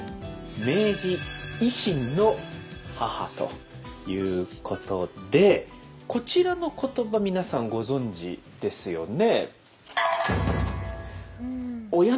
明治維新の母ということでこちらの言葉皆さんご存じですよね。